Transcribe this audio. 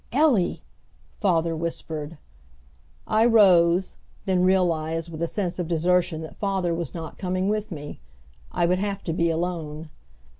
"Ellie!" father whispered. I rose, then realized with a sense of desertion that father was not coming with me. I would have to be alone.